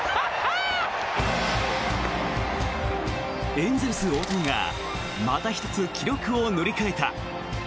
エンゼルス、大谷がまた１つ記録を塗り替えた。